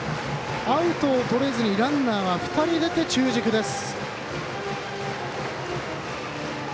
アウトをとれずにランナーが２人出て中軸です。